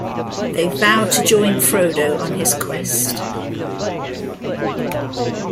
They vow to join Frodo on his quest.